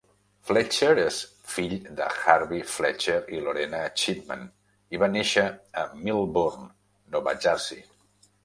Fletcher és fill de Harvey Fletcher i Lorena Chipman i va néixer a Millburn, Nova Jersey.